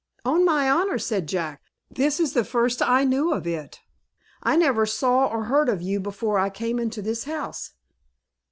"On my honor," said Jack, "this is the first I knew of it. I never saw or heard of you before I came into this house."